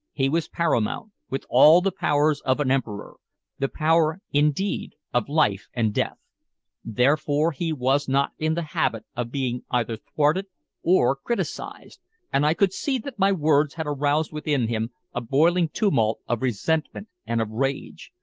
He was paramount, with all the powers of an emperor the power, indeed, of life and death. Therefore he was not in the habit of being either thwarted or criticised, and I could see that my words had aroused within him a boiling tumult of resentment and of rage.